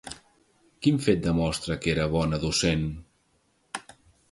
Quin fet demostra que era bona docent?